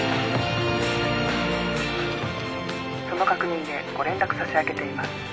☎「その確認でご連絡差し上げています」